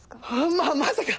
ままさか！